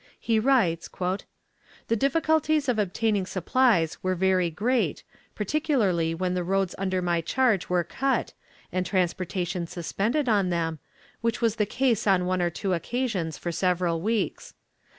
He writes: "The difficulties of obtaining supplies were very great, particularly when the roads under my charge were cut, and transportation suspended on them, which was the case on one or two occasions for several weeks.